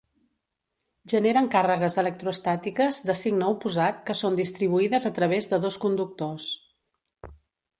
Generen càrregues electroestàtiques de signe oposat que són distribuïdes a través de dos conductors.